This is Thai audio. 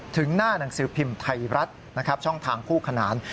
ถึงหน้าหนังสือพิมพ์ไทยรัฐนะครับช่องทางคู่ขนาน